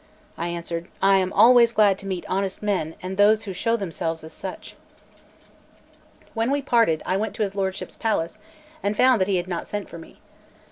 I answered: "I am always glad to meet honest men and those who show themselves as such." When we parted, I went to his lordship's palace, and found he had not sent for me.